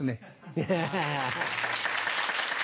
いや。